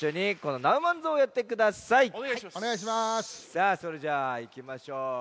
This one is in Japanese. さあそれじゃあいきましょう。